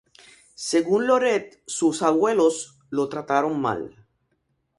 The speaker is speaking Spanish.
Según Loret, sus abuelos "lo trataron mal.